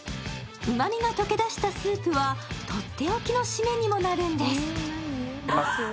うまみが溶け出したスープはとっておきの締めにもなるんです。